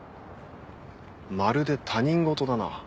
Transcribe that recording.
まるで他人事だな。